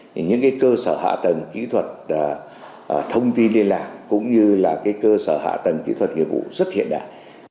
những cơ sở hạ tầng kỹ thuật thông tin liên lạc cũng như cơ sở hạ tầng kỹ thuật nghiệp vụ rất hiện đại